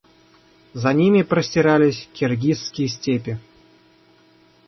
За ними простирались киргизские степи.